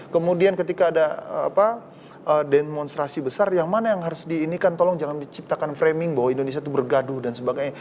kemudian ketika ada demonstrasi besar yang mana yang harus di ini kan tolong jangan diciptakan framing bahwa indonesia itu bergaduh dan sebagainya